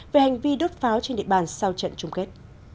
về hành vi đốt pháo trên địa bàn sau trận chung kết